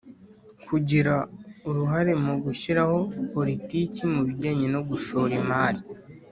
Kugira uruhare mu gushyiraho politiki mu bijyanye no gushora imari